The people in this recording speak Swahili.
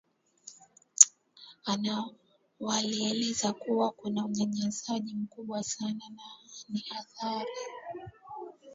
walieleza kuwa kuna unyanyazaji mkubwa sana na ni thairi